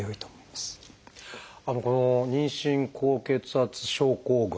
この妊娠高血圧症候群。